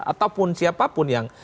ataupun siapapun yang